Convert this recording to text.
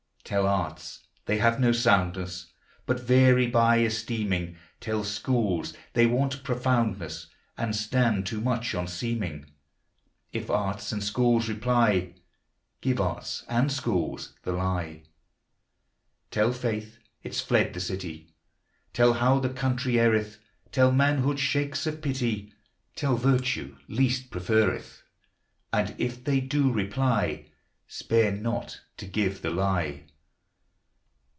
Tell arts they have no soundnesse, But vary by esteeming; Tell schooles they want profoundnesse, And stand too much on seeming; If arts and schooles reply, Give arts and schooles the lye. Tell faith it 's fled the citie ; Tell how the country errcth ; Tell, manhood shakes off pi tie ; Tell, vertue least preferreth ; And if they doe reply, Spare not to give the lye.